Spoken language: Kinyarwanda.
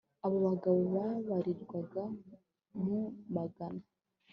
abo bagore babarirwaga mu magana